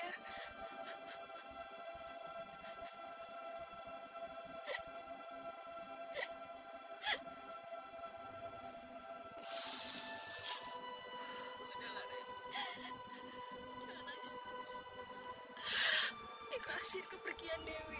nikolasi kepergian dewi